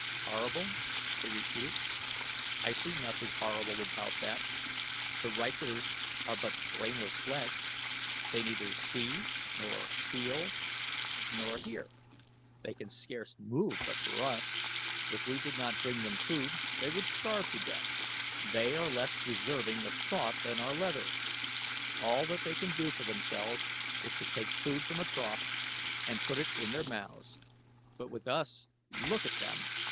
"Horrible?" he repeated. "I see nothing horrible about that. The rykors are but brainless flesh. They neither see, nor feel, nor hear. They can scarce move but for us. If we did not bring them food they would starve to death. They are less deserving of thought than our leather. All that they can do for themselves is to take food from a trough and put it in their mouths, but with us look at them!"